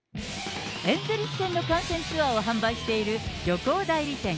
エンゼルス戦の観戦ツアーを販売している旅行代理店。